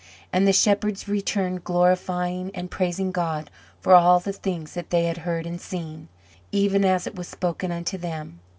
And the shepherds returned glorifying and praising God for all the things that they had heard and seen, even as it was spoken unto them.